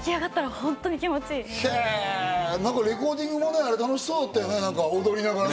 レコーディングも楽しそうだったね、踊りながら。